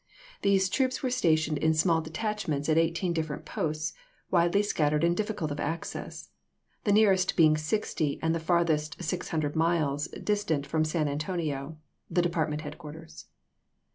These troops were stationed in small detachments at eighteen different posts, widely scattered and difficult of access ; the nearest being sixty, and the farthest 600 miles distant from San Antonio, the depart ment headquarters.